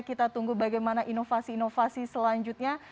kita tunggu bagaimana inovasi inovasi selanjutnya